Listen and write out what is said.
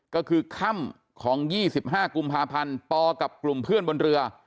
ก็คือค่ำของ๒๕กุมภาพันธ์ปกับกลุ่มเพื่อนบนเรือ